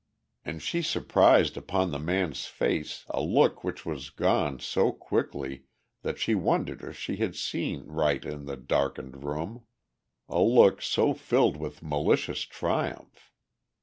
And she surprised upon the man's face a look which was gone so quickly that she wondered if she had seen right in the darkened room, a look so filled with malicious triumph.